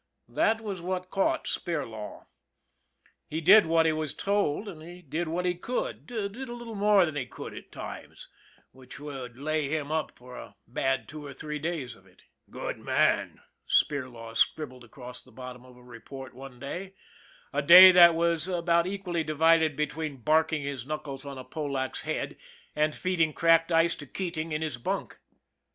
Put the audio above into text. That was what caught Spirlaw. He did what he was told, and he did what he could did a little more than THE BUILDER 131 he could at times, which would lay him up for a bad two or three days of it. " Good man," Spirlaw scribbled across the bottom of a report one day a day that was about equally divided between barking his knuckles on a Polack's head and feeding cracked ice to Keating in his bunk.